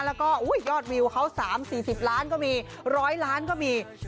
แล้วก็อุ้ยยอดวิวเขาสามสี่สิบล้านก็มีร้อยล้านก็มี